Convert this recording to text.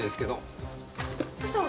嘘！？